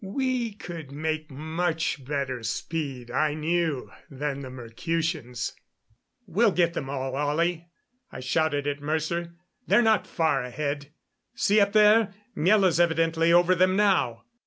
We could make much better speed, I knew, than the Mercutians. "We'll get them all, Ollie," I shouted at Mercer. "They're not far ahead. See up there Miela's evidently over them now."